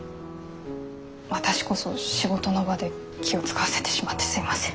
私こそ仕事の場で気を遣わせてしまってすいません。